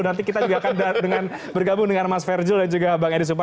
nanti kita juga akan bergabung dengan mas ferjo dan juga bang edi supar